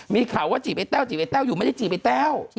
มีข่าวว่าจีบไอ้แต้วจีบไอ้แต้วอยู่ไม่ได้จีบไอ้แต้ว